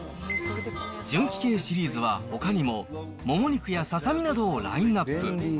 純輝鶏シリーズはほかにも、もも肉やささみなどをラインナップ。